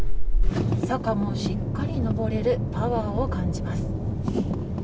坂もしっかり登れるパワーを感じます。